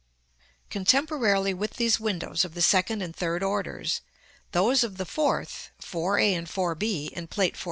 Contemporarily with these windows of the second and third orders, those of the fourth (4 a and 4 b, in Plate XIV.)